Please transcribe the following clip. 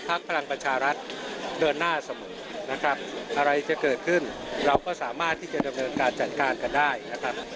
พลังประชารัฐเดินหน้าเสมอนะครับอะไรจะเกิดขึ้นเราก็สามารถที่จะดำเนินการจัดการกันได้นะครับ